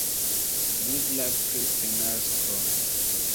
Nigra Kristnasko.